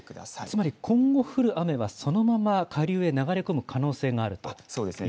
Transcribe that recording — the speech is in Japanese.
つまり今後、降る雨は、そのまま下流へ流れ込む可能性があるそうですね。